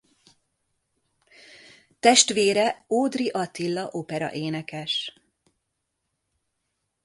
Testvére Ódry Attila operaénekes.